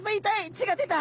血が出た。